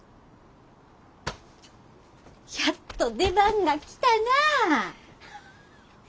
やっと出番が来たなあ！